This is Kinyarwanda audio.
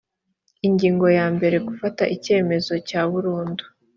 ingingo ya mbere gufata icyemezo cya burundu